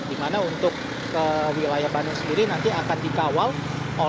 dimana untuk ke wilayah bandung sendiri nanti akan dikawal oleh petugas yang bertugas di sini